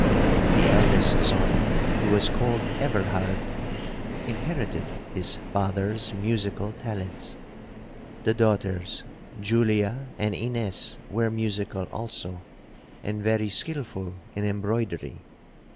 'The eldest son, who was called Everhard, inherited his father's musical talents. The daughters, Julia and Ines, were musical also, and very skilful in embroidery.